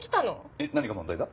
えっ何が問題だ？